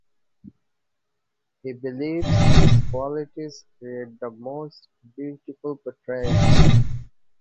He believes these qualities create the most beautiful portraits.